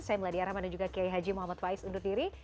saya meladya rahman dan juga kiai haji muhammad faiz undur diri